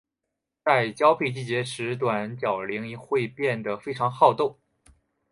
在交配季节时短角羚会变得非常好斗。